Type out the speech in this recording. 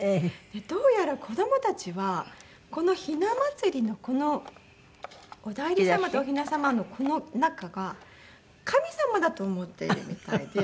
どうやら子どもたちはこのひな祭りのこのお内裏様とおひな様のこの中が神様だと思っているみたいで。